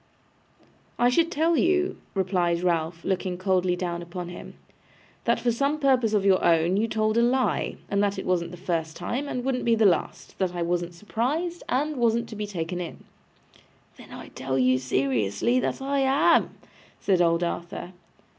'I should tell you,' replied Ralph, looking coldly down upon him, 'that for some purpose of your own you told a lie, and that it wasn't the first time and wouldn't be the last; that I wasn't surprised and wasn't to be taken in.' 'Then I tell you seriously that I am,' said old Arthur.